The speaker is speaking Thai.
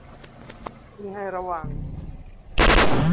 นี่ให้ระวัง